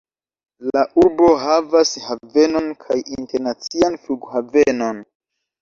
La urbo havas havenon kaj internacian flughavenon.